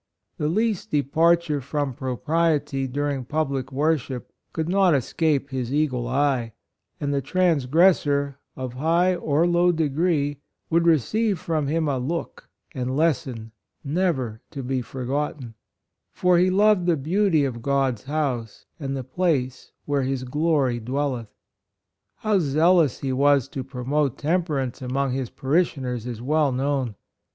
— The least departure from propriety during public worship could not escape his eagle eye, and the trans gressor, of high or low degree, would receive from him a look and lesson never to be forgotten; "for he loved the beauty of God's house and the place where His glory dwelleth." How zealous he was to promote temperance among his parishioners is well known.